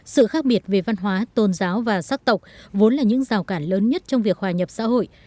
sự khác biệt về văn hóa tôn giáo và sắc tộc vốn là những rào cản lớn nhất trong việc hòa nhập xã hội